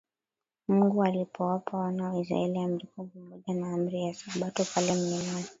Mungu alipowapa wana wa Israel Amri kumi pamoja na Amri ya Sabato pale mlimani